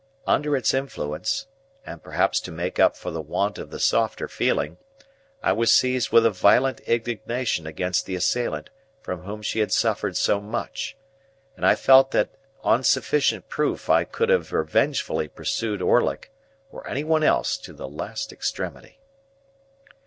Under its influence (and perhaps to make up for the want of the softer feeling) I was seized with a violent indignation against the assailant from whom she had suffered so much; and I felt that on sufficient proof I could have revengefully pursued Orlick, or any one else, to the last extremity.